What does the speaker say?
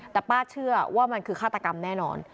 แต่ป้าเชื่อว่ามันคือฆาตกรรมแน่นอน